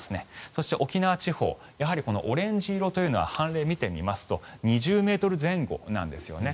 そして、沖縄地方オレンジ色というのは凡例を見てみますと２０ｍ前後なんですよね。